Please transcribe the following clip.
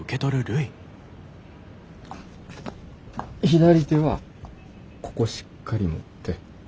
左手はここしっかり持って。